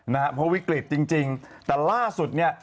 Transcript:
แต่ล่าสุด